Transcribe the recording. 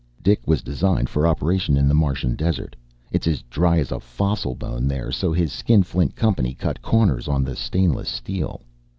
"Dik was designed for operation in the Martian desert. It's as dry as a fossil bone there so his skinflint company cut corners on the stainless steel.